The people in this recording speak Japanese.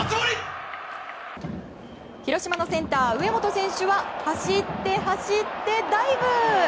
広島のセンター、上本選手は走って、走って、ダイブ！